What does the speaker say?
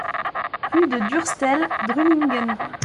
Rue de Durstel, Drulingen